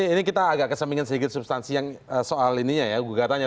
ini kita agak kesembingin sedikit substansi yang soal ininya ya gugatannya